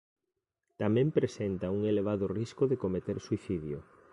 Tamén presenta un elevado risco de cometer suicidio.